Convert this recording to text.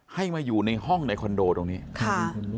ให้มาอยู่ในห้องในคอนโดตรงนี้ค่ะ